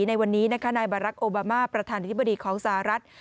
ในวันนี้นะคะนายบารักษ์โอบามาประธานธิบดีของสหรัฐ